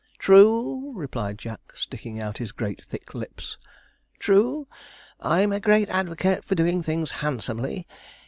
'True,' replied Jack, sticking out his great thick lips, 'true. I'm a great advocate for doing things handsomely.